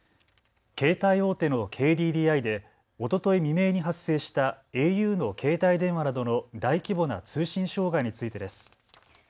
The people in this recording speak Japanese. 携帯大手のＫＤＤＩでおととい未明に発生したａｕの携帯電話などの大規模な通信障害についてです。